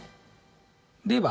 では